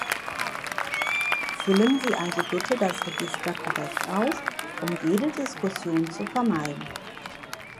Füllen Sie also bitte das Register korrekt aus, um jede Diskussion zu vermeiden.